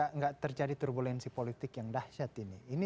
tidak terjadi turbulensi politik yang dahsyat ini